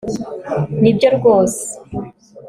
Nibyo rwose